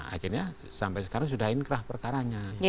akhirnya sampai sekarang sudah inkrah perkaranya